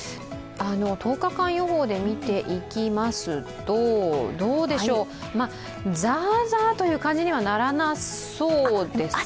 １０日間予報で見ていきますと、ザーザーという感じにはならなさそうですか？